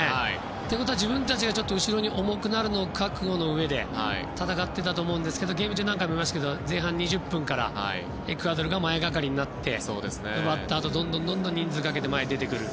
ということは自分たちがちょっと後ろに重くなるのを覚悟のうえで戦っていたと思うんですけど前半２０分からエクアドルが前がかりになって奪った後、どんどん人数をかけて前に出てくる。